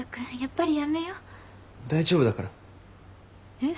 えっ？